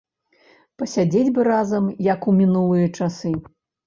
Пасядзець бы разам, як у мінулыя часы.